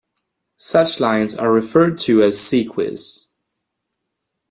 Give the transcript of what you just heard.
Such lines were referred to as "ceques".